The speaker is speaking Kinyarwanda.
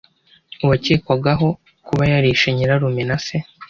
uwakekwagaho kuba yarishe nyirarume na se